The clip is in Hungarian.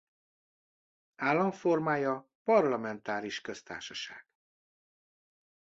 Államformája parlamentáris köztársaság.